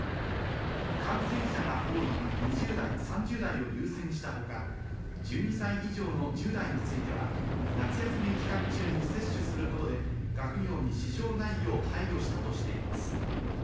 感染者が多い２０代・３０代を優先したほか、１２歳以上の１０代については、夏休み期間中に接種することで学業に支障ないよう配慮したとしています。